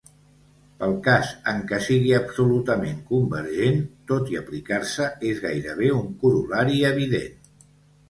Pel cas en què sigui absolutament convergent, tot i aplicar-se, és gairebé un corol·lari evident.